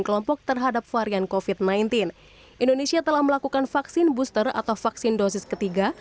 kelompok terhadap varian kofit sembilan belas indonesia telah melakukan vaksin booster atau vaksin dosis ketiga